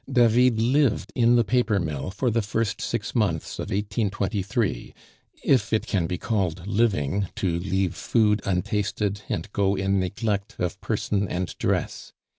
David lived in the paper mill for the first six months of 1823 if it can be called living, to leave food untasted, and go in neglect of person and dress.